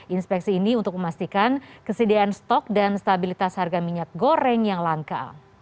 inspeksi ini untuk memastikan kesediaan stok dan stabilitas harga minyak goreng yang langka